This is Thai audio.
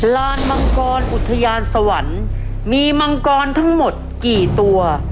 ลานมังกรอุทยานสวรรค์มีมังกรทั้งหมดกี่ตัว